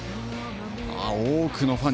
多くのファン